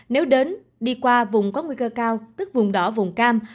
nếu đến đi qua vùng có nguy cơ cao tức vùng đỏ vùng cam